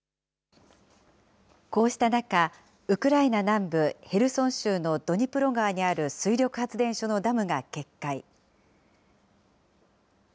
こうした中、ウクライナ南部、ヘルソン州のドニプロ川にある水力発電所のダムが決壊。